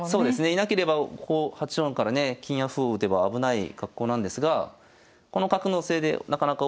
いなければこう８四からね金や歩を打てば危ない格好なんですがこの角のせいでなかなか王手ができないと。